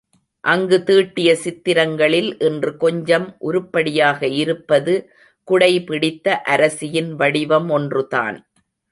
அங்கு தீட்டிய சித்திரங்களில் இன்று கொஞ்சம் உருப்படியாக இருப்பது குடை பிடித்த அரசியின் வடிவம் ஒன்றுதான்.